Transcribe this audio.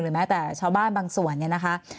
แม้แต่ชาวบ้านบางส่วนเนี่ยนะคะ